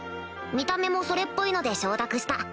見た目もそれっぽいので承諾した